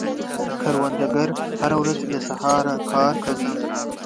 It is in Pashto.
کروندګر هره ورځ له سهاره کار کوي